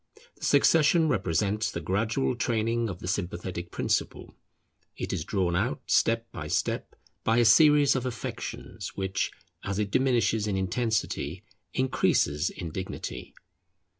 The succession represents the gradual training of the sympathetic principle; it is drawn out step by step by a series of affections which, as it diminishes in intensity, increases in dignity.